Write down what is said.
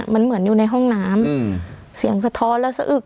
มันเหมือนอยู่ในห้องน้ำเสียงสะท้อนแล้วสะอึก